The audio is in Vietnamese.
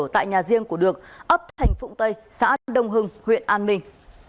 tại nhà riêng của được ấp thành phụng tây xã đông hưng huyện an minh